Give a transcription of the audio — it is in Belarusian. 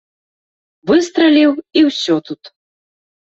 Выстраліў, і ўсё тут.